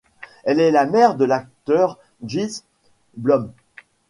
Elle est la mère de l'acteur Gijs Blom.